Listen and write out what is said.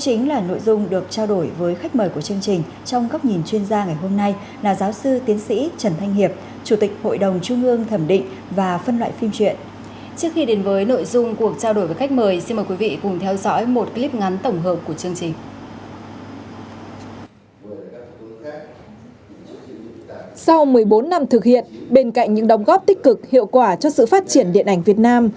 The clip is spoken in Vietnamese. sau một mươi bốn năm thực hiện bên cạnh những đóng góp tích cực hiệu quả cho sự phát triển điện ảnh việt nam